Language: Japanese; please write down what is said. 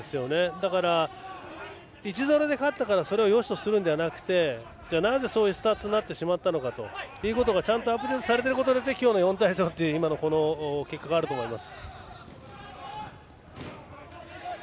だから、１−０で勝ったからよしとするんじゃなくてなぜそういうスタッツになってしまったかをちゃんとアップデートがされていることで今日の結果があると思います。